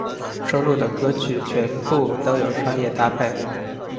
收录的歌曲全部都有商业搭配。